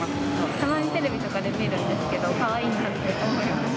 たまにテレビとかで見るんですけど、かわいいと思います。